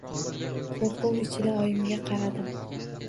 Qo‘rquv ichida oyimga qaradim.